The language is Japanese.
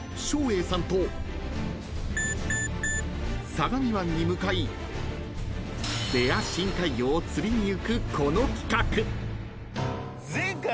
［相模湾に向かいレア深海魚を釣りにゆくこの企画］